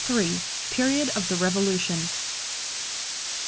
] PERIOD OF THE REVOLUTION. No.